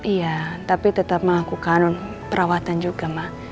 iya tapi tetap mengaku kanon perawatan juga ma